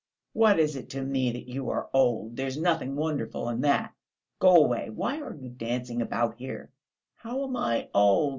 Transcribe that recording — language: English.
"What is it to me that you are old? There's nothing wonderful in that! Go away. Why are you dancing about here?" "How am I old?